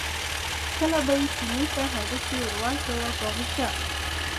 کله به یې چیني ته هډوکی ور واچاوه په غوسه.